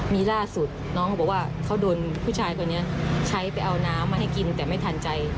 มีล่าสุดน้องเขาบอกว่าเขาโดนผู้ชายคนนี้ใช้ไปเอาน้ำมาให้กินแต่ไม่ทันใจ